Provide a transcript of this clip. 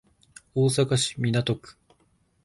大阪市港区